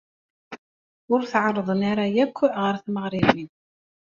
Ur tɛerrḍen ara yakk ɣer tmeɣriwin.